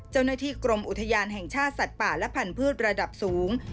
เจ้าหน้าที่กรมอุทยานแห่งชาติสัตว์ป่าและพันธุ์ระดับสูง